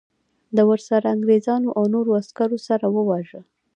د ورسره انګریزانو او نورو عسکرو سره وواژه.